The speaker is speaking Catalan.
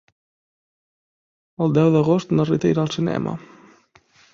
El deu d'agost na Rita irà al cinema.